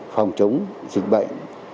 phòng chống dịch bệnh